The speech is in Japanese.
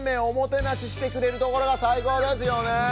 おもてなししてくれるところがさいこうですよね。